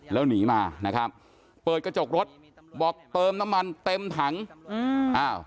แล้วหนีมานะครับเปิดกระจกรถบอกเติมน้ำมันเต็มถังอืมอ้าว